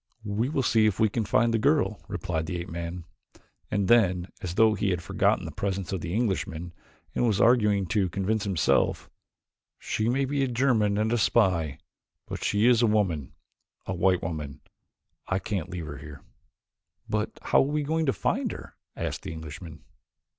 "We will see if we can find the girl," replied the ape man, and then, as though he had forgotten the presence of the Englishman and was arguing to convince himself, "She may be a German and a spy, but she is a woman a white woman I can't leave her here." "But how are we going to find her?" asked the Englishman.